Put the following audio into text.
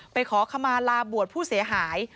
ขอขมาลาบวชผู้เสียหาย